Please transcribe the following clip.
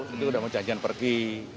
itu sudah mau janjian pergi